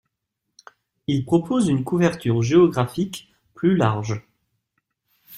Il propose une couverture géographique plus large.